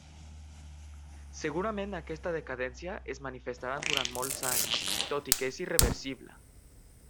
Segurament aquesta decadència es manifestarà durant molts anys, tot i que és irreversible.